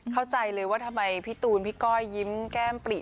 เข้าใจเลยว่าทำไมพี่ตูนพี่ก้อยยิ้มแก้มปลิ